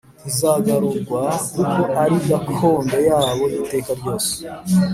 ntizagurwa kuko ari gakondo yabo y iteka ryose